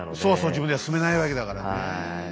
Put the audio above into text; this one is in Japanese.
そうそう自分では進めないわけだからね。